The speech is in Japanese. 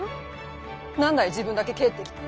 何だい自分だけ帰ってきて。